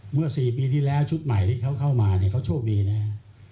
เมื่อ๔ปีที่แล้วชุดใหม่ที่เขาเข้ามาเนี่ยเขาโชคดีนะฮะ